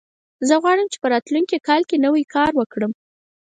زه غواړم چې په راتلونکي کال کې نوی کار وکړم